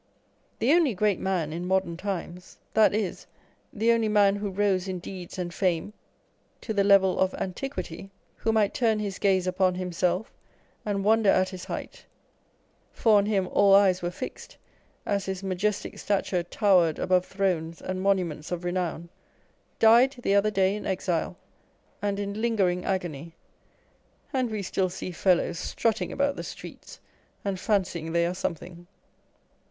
The only great man in modern times ! â€" that is, the only man who rose in deeds and fame to the level of antiquity, who might turn his gaze upon himself, and wonder at his height, for on him all eyes were fixed as his majestic stature towered above thrones and monuments of renown â€" died the other day in exile, and in lingering agony ; and we still see fellows strutting about the streets, and fancying they are something